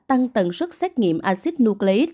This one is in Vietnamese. tăng tần suất xét nghiệm acid nucleic